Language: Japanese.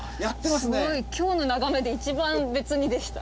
今日の眺めで一番「別に」でした。